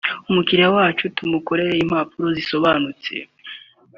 umukiriya wacu tumokerere impapuro zisobanutse